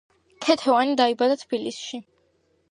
ქეთევანი დაიბადა თბილისში.